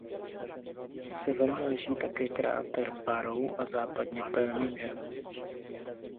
Severně leží kráter Barrow a západně Birmingham.